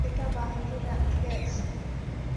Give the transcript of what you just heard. সেটা বাইরে রেখে এসেছি।